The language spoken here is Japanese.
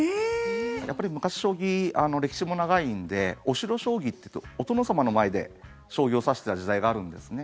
やっぱり昔、将棋歴史も長いので御城将棋といってお殿様の前で将棋を指していた時代があるんですね。